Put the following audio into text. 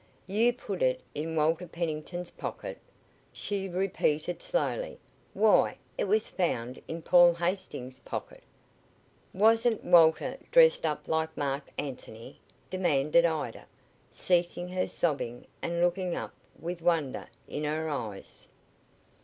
"You put it in Walter Pennington's pocket?" she repeated slowly. "Why, it was found in Paul Hastings' pocket." "Wasn't Walter dressed up like Marc Anthony?" demanded Ida, ceasing her sobbing and looking up with wonder in her eyes.